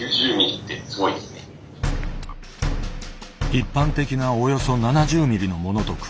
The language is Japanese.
一般的なおよそ７０ミリのものと比べ